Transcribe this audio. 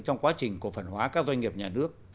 trong quá trình cổ phần hóa các doanh nghiệp nhà nước